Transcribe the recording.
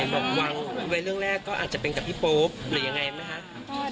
บอกวางไว้เรื่องแรกก็อาจจะเป็นกับพี่โป๊ปหรือยังไงไหมคะ